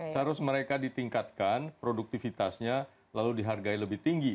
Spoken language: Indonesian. seharusnya mereka ditingkatkan produktivitasnya lalu dihargai lebih tinggi